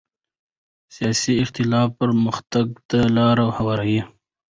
سیاسي اختلاف پرمختګ ته لاره هواروي